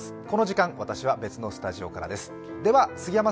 この時間、私は別のスタジオからです。